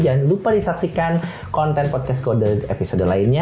jangan lupa disaksikan konten podcastco episode lainnya